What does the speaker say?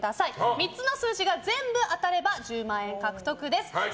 ３つの数字が全部当たれば１０万円獲得です。